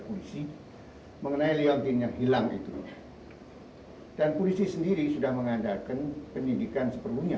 kursi mengenai liangnya hilang itu dan pulisi sendiri sudah mengandalkan pendidikan seperhunya